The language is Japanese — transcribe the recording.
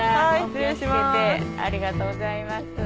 ありがとうございます。